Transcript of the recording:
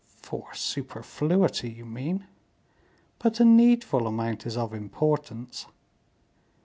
"For superfluity, you mean; but a needful amount is of importance.